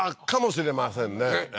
かもしれませんね